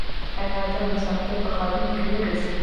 آیا دا مسافر په ښارونو کې نه ګرځي؟